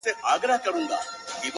o زه خو یارانو نامعلوم آدرس ته ودرېدم ـ